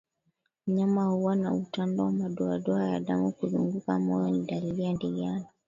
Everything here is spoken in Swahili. Mnyama kuwa na utando wa madoadoa ya damu kuzunguka moyo ni dalili ya ndigana